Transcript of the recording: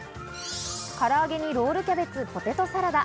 唐揚げに、ロールキャベツ、ポテトサラダ。